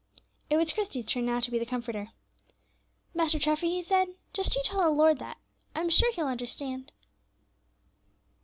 It was Christie's turn now to be the comforter. "Master Treffy," he said, "just you tell the Lord that; I'm sure He'll understand."